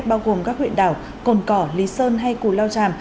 bao gồm các huyện đảo cồn cỏ lý sơn hay cù lao tràm